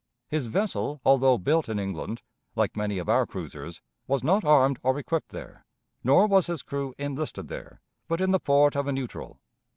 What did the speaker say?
His vessel, although built in England, like many of our cruisers, was not armed or equipped there, nor was his crew enlisted there, but in the port of a neutral.